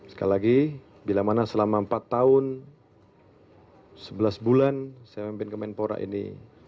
sekali lagi bila mana selama empat tahun sebelas bulan saya memimpin kemenpora ini